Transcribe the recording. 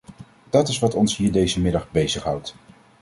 Dat is wat ons hier deze middag bezighoudt.